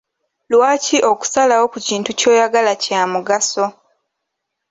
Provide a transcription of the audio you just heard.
Lwaki okusalawo ku kintu ky'oyagala kya mugaso?